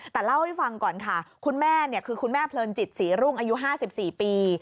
แต่เล่าให้ฟังก่อนค่ะคุณแม่คือคุณแม่เพลินจิตศรีรุ่งอายุ๕๔ปี